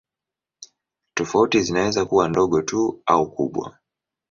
Tofauti zinaweza kuwa ndogo tu au kubwa.